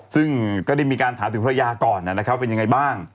ซึ่งก็ได้มีการถามถึงภรรยาก่อนนะครับเป็นยังไงบ้าง